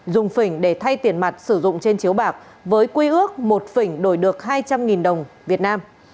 dùng phỉnh để thay tiền mặt sử dụng trên chiếu bạc với quy ước một phỉnh đổi được hai trăm linh đồng việt nam